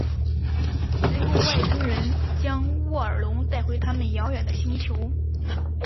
随后外星人将沃尔隆带回他们遥远的星球。